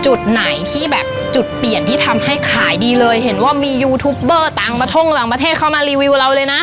จุดไหนที่แบบจุดเปลี่ยนที่ทำให้ขายดีเลยเห็นว่ามียูทูปเบอร์ต่างมาท่งหลังประเทศเข้ามารีวิวเราเลยนะ